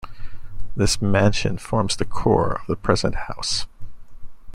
This mansion forms the core of the present house.